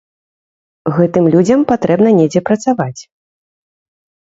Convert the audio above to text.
Гэтым людзям патрэбна недзе працаваць.